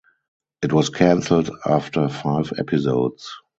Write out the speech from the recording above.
It was cancelled after five episodes.